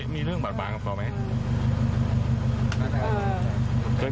ไม่เคย